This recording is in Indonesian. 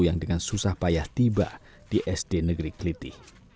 yang dengan susah payah tiba di sd negeri keliti